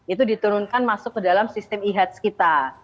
itu diturunkan masuk ke dalam sistem e hats kita